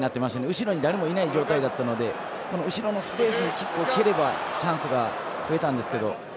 後ろに誰もいない状態だったので後ろのスペースにキックを蹴ればチャンスが増えたんですけど。